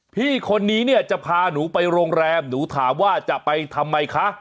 พี่คนนี้เนี่ยจะพาหนูไปโรงแรมหนูถามว่าจะไปทำไมคะ